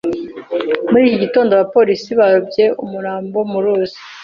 Muri iki gitondo, abapolisi barobye umurambo mu ruzi.